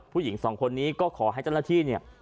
ผู้หญิงสองคนนี้ก็ขอให้เจ้าหน้าที่เนี่ย